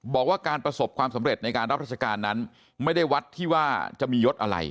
บอกว่าการประสบความสำเร็จในการรับราชการนั้นไม่ได้วัดที่ว่าจะมียศอะไร